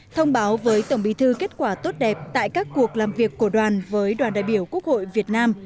thông báo với tổng bí thư kết quả tốt đẹp tại các cuộc làm việc của đoàn với đoàn đại biểu quốc hội việt nam